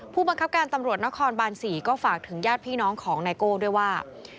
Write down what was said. ผู้บังคับการตำรวจนครบาน๔ก็ฝากถึงญาติพี่น้องของไนโก้ด้วยว่า